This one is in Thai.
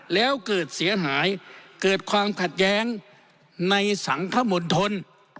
แล้วเกิดเสียหายเกิดความขัดแย้งในสังคมณฑล